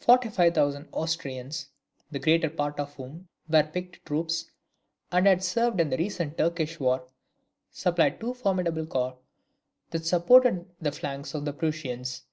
Forty five thousand Austrians, the greater part of whom were picked troops, and had served in the recent Turkish war, supplied two formidable corps that supported the flanks of the Prussians.